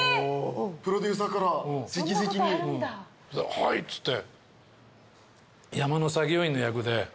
「はい」っつって。